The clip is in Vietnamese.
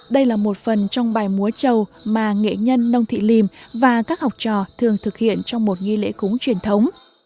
đây là một phần trong bài múa trầu mà nghệ nhân nông thị lìm và các học trò thường thực hiện trong một nghi lễ cúng truyền thống